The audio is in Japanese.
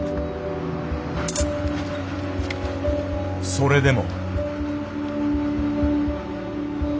それでも。